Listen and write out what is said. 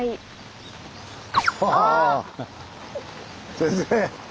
先生！